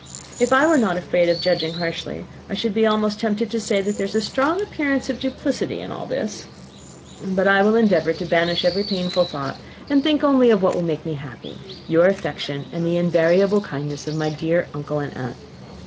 If I were not afraid of judging harshly, I should be almost tempted to say, that there is a strong appearance of duplicity in all this. I will endeavour to banish every painful thought, and think only of what will make me happy, your affection, and the invariable kindness of my dear uncle and aunt.